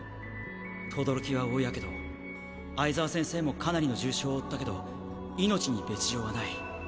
轟は大火傷相澤先生もかなりの重傷を負ったけど命に別条はない。